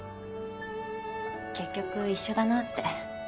結局一緒だなって。